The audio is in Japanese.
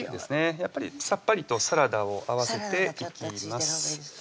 やっぱりさっぱりとサラダを合わせていきます